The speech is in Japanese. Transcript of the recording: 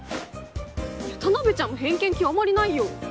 田辺ちゃんも偏見極まりないよ。